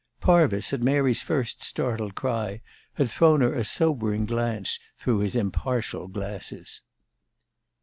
Parvis, at Mary's first startled cry, had thrown her a sobering glance through his impartial glasses.